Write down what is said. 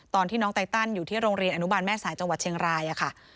ตอนที่น้องไตตันอยู่ที่โรงเรียนอนุบาลแม่สายจังหวัดเชียงรายค่ะ